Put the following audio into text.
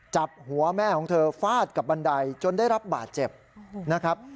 จับหัวแม่ของเธอฟาดกับบันไดจนได้รับบาดเจ็บนะครับ